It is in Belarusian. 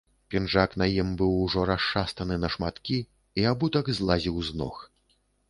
Пінжак на ім быў ужо расшастаны на шматкі, і абутак злазіў з ног.